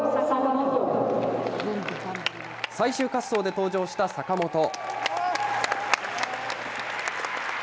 最終滑走で登場した坂本。